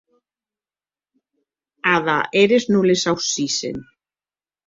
Ada eres non les aucissen.